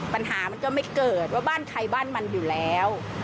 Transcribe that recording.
มันก็ไม่เกิดว่าบ้านใครบ้านมันอยู่แล้ว